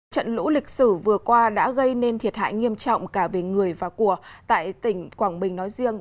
trận lũ lịch sử vừa qua đã gây nên thiệt hại nghiêm trọng cả về người và của tại tỉnh quảng bình nói riêng